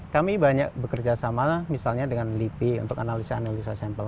kami banyak bekerja sama misalnya dengan lipi untuk analisa analisa sampel